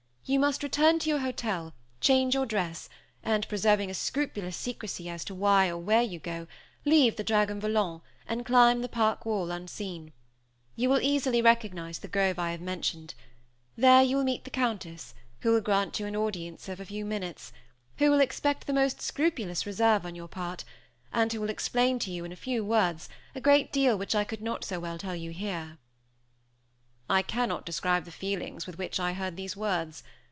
You must return to your hotel, change your dress, and, preserving a scrupulous secrecy as to why or where you go, leave the Dragon Volant, and climb the park wall, unseen; you will easily recognize the grove I have mentioned; there you will meet the Countess, who will grant you an audience of a few minutes, who will expect the most scrupulous reserve on your part, and who will explain to you, in a few words, a great deal which I could not so well tell you here." I cannot describe the feeling with which I heard these words.